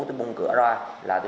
anh bị can alsay được